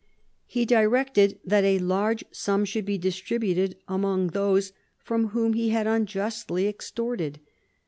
He directed that a large sum should be distri buted among those from whom he had unjustly extorted.